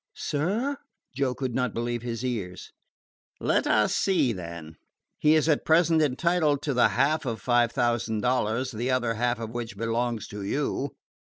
"Sir?" Joe could not believe his ears. "Let us see, then. He is at present entitled to the half of five thousand dollars, the other half of which belongs to you.